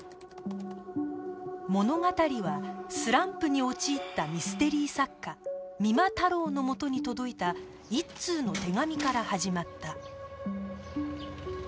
物語はスランプに陥ったミステリ作家三馬太郎のもとに届いた一通の手紙から始まった